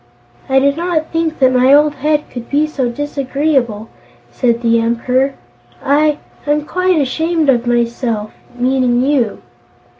"I did not think that my old Head could be so disagreeable," said the Emperor. "I I'm quite ashamed of myself; meaning you."